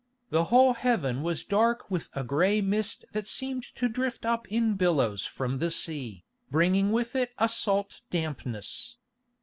The whole heaven was dark with a gray mist that seemed to drift up in billows from the sea, bringing with it a salt dampness.